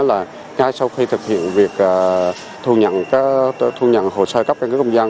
ngay sau khi thực hiện việc thu nhận hồ sơ cấp căn cước công dân